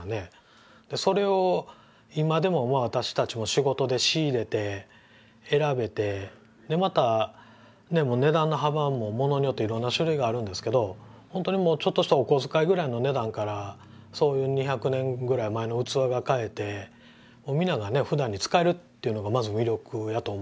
それを今でも私たちも仕事で仕入れて選べてまた値段の幅も物によっていろんな種類があるんですけど本当にもうちょっとしたお小遣いぐらいの値段からそういう２００年ぐらい前の器が買えてみんながふだんに使えるっていうのがまず魅力やと思います